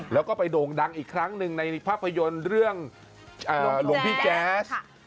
แล้วก็ไปโด่งดังอีกครั้งหนึ่งในภาพยนตร์เรื่องหลวงพี่แจ๊ส